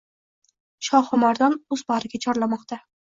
Shohimardon oʻz bagʻriga chorlamoqda